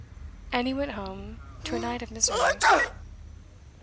And he went home to a night of misery.